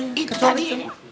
itu tadi ya